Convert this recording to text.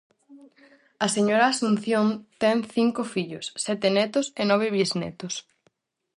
A señora Asunción ten cinco fillos, sete netos e nove bisnetos.